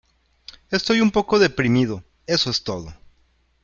Estoy un poco de deprimido, eso es todo.